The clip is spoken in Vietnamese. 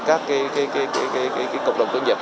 các cộng đồng doanh nghiệp